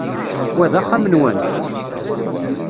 Wa d axxam-nwent?